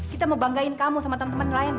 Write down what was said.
kita mau banggain kamu sama temen temen lain